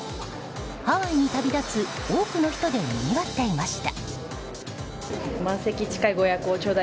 ハワイに旅立つ多くの人でにぎわっていました。